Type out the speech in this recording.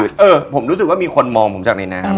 เออผมรู้สึกว่ามีคนมองผมจากในน้ำ